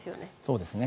そうですね。